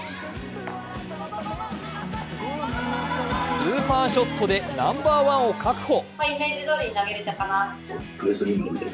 スーパーショットでナンバー１を確保。